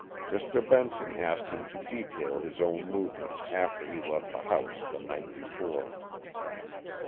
Mr. Benson asked him to detail his own movements after he left the house the night before.